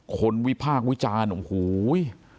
วิพากษ์วิจารณ์โอ้โห